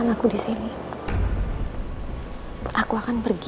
erer koutahan yang perlu saya kulapkan untuk mereka